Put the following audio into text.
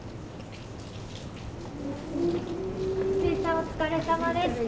お疲れさまでした。